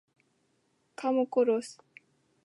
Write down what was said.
Kamu kurus.